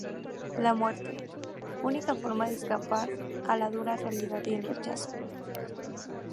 La muerte, única forma de escapar a la dura realidad y el rechazo.